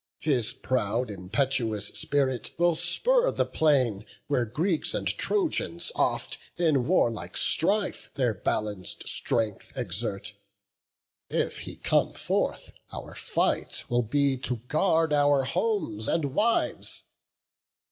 His proud, impetuous spirit will spurn the plain, Where Greeks and Trojans oft in warlike strife Their balanc'd strength exert; if he come forth, Our fight will be to guard our homes and wives.